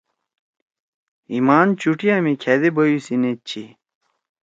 ہیِمان چُٹیِا می کھأدے بیُو سی نیت چھی۔